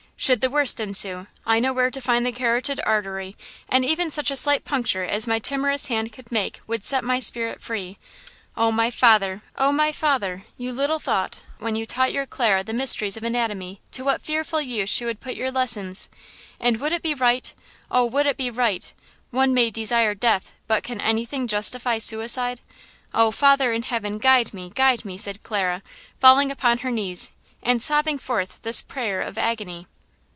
Should the worst ensue, I know where to find the carotid artery, and even such a slight puncture as my timorous hand could make would set my spirit free! Oh, my father! oh, my father! you little thought when you taught your Clara the mysteries of anatomy to what a fearful use she would put your lessons! And would it be right? Oh, would it be right? One may desire death, but can anything justify suicide? Oh, Father in heaven, guide me! guide me!" cried Clara, falling upon her knees and sobbing forth this prayer of agony.